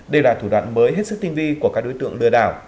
đây là thủ đoạn mới hết sức tinh vi của các đối tượng lừa đảo